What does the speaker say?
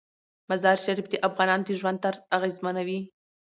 مزارشریف د افغانانو د ژوند طرز اغېزمنوي.